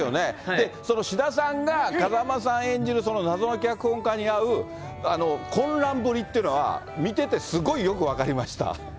で、その志田さんが風間さん演じる、謎の脚本家にあう、混乱ぶりというのは見ててすごいよく分かりました。